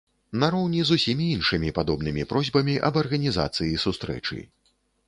Нароўні з усімі іншымі падобнымі просьбамі аб арганізацыі сустрэчы.